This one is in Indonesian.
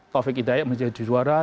dua ribu empat taufik hidayat menjadi juara